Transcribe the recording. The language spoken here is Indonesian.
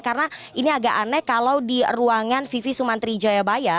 karena ini agak aneh kalau di ruangan vivi sumantri jayabaya